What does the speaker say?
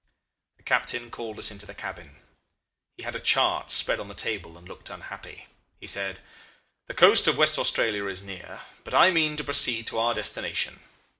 "The captain called us into the cabin. He had a chart spread on the table, and looked unhappy. He said, 'The coast of West Australia is near, but I mean to proceed to our destination.